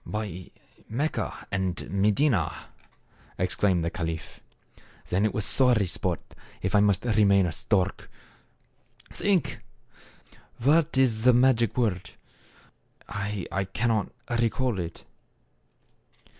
" By Mecca and Medina !" exclaimed the caliph. " Then was it sorry sport if I must re main a stork ! Think ! what is the magic word ? I cannot recall it."